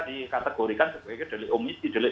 dikategorikan sebagai jelik omisi jelik